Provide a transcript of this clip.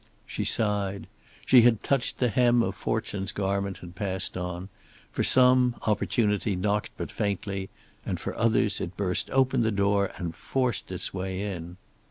She sighed. She had touched the hem of fortune's garment and passed on; for some opportunity knocked but faintly, and for others it burst open the door and forced its way in.